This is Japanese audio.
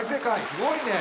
すごいね。